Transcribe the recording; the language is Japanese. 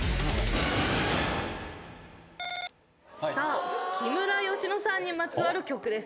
さあ木村佳乃さんにまつわる曲です。